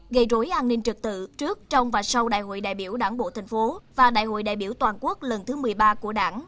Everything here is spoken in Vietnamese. gây rối an ninh trực tự trước trong và sau đại hội đại biểu đảng bộ thành phố và đại hội đại biểu toàn quốc lần thứ một mươi ba của đảng